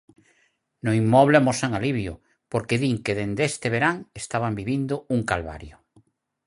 No inmoble amosan alivio porque din que dende este verán estaban vivindo un calvario.